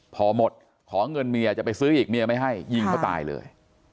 พอหมดขอเงินเมียจะไปซื้ออีกเมียไม่ให้ยิงเขาตายเลย